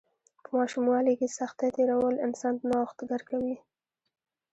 په ماشوموالي کې سختۍ تیرول انسان نوښتګر کوي.